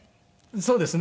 そうですね。